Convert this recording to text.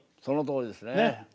そのとおりですね。